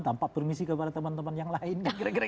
tanpa permisi kepada teman teman yang lain